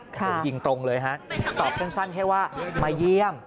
โดนยิงตรงเลยฮะตอบสั้นแค่ว่ามาเยี่ยม